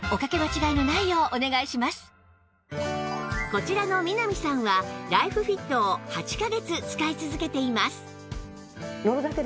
こちらの南さんはライフフィットを８カ月使い続けています